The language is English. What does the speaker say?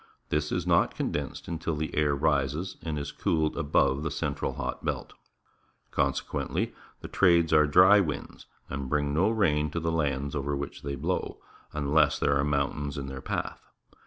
This is not condensed until the air rises and is cooled above the central hot belt. Consequently, the trades are dry winds and bring no rain to the lands over which they blow, unless there are mountains in their path.